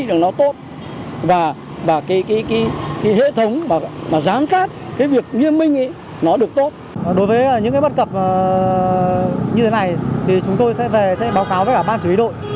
đối với những bất cập như thế này thì chúng tôi sẽ về sẽ báo cáo với cả ban chỉ huy đội